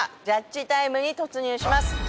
ジャッジタイムに突入します。